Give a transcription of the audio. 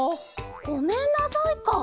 「ごめんなさい」か！